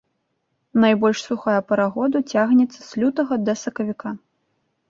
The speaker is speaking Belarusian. Найбольш сухая пара году цягнецца з лютага да сакавіка.